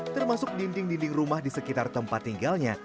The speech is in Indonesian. termasuk dinding dinding rumah di sekitar tempat tinggalnya